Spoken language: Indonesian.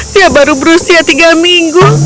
saya baru berusia tiga minggu